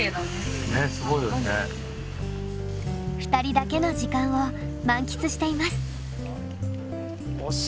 ２人だけの時間を満喫しています。